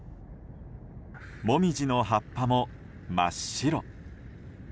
モミジの葉っぱも真っ白。